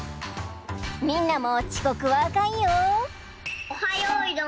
みんなもちこくはあかんよ。